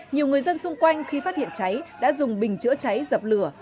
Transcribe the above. nhiều người dân xung quanh khi phát hiện cháy đã dùng bình chữa cháy dập lửa